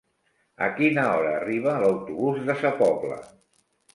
A quina hora arriba l'autobús de Sa Pobla?